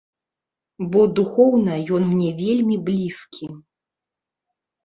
Бо духоўна ён мне вельмі блізкі.